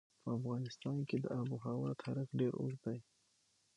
په افغانستان کې د آب وهوا تاریخ ډېر اوږد دی.